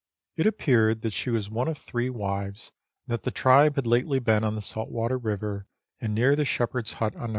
It appeared that she was one of three wives, and that the tribe had lately been on the Saltwater River and near the shepherds' hut on No.